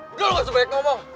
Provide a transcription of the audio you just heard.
udah lo gak sebaik ngomong